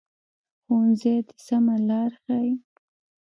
ښوونځی د سمه لار ښيي